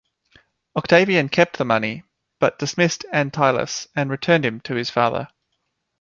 Octavian kept the money, but dismissed Antyllus and returned him to his father.